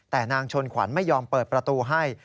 แต่นางชนขวัญไม่ยอมเปิดประตูให้